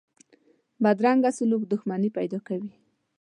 بدرنګه سلوک دښمني پیدا کوي